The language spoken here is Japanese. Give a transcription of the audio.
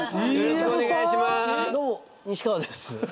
どうも西川です。